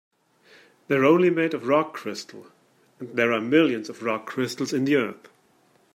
They're only made of rock crystal, and there are millions of rock crystals in the earth.